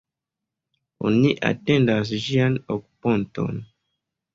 Oni atendas ĝian okuponton.